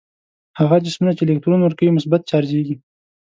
هغه جسمونه چې الکترون ورکوي مثبت چارجیږي.